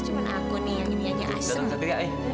cuma aku nih yang ini aja asik